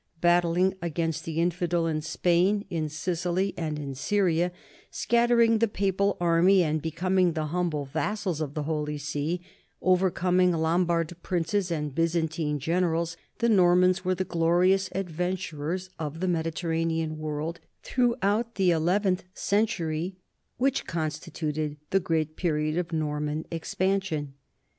Battling against the infidel in Spain, in Sicily, and in Syria, scattering the papal army and becoming the humble vassals of the Holy See, overcoming Lom bard princes and Byzantine generals, the Normans were the glorious adventurers of the Mediterranean world throughout that eleventh century which constituted the great period of Norman expansion.